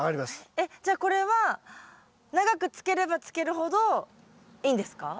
えっじゃあこれは長くつければつけるほどいいんですか？